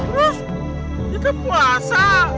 terus kita puasa